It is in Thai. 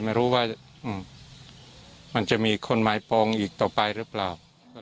ไม่รู้ว่ามันจะมีคนหมายโปรงอีกต่อไปหรือเปล่า